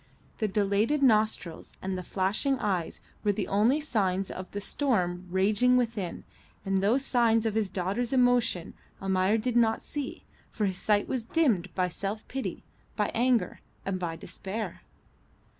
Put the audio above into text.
The dilated nostrils and the flashing eyes were the only signs of the storm raging within, and those signs of his daughter's emotion Almayer did not see, for his sight was dimmed by self pity, by anger, and by despair.